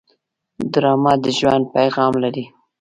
ډرامه د ژوند پیغام لري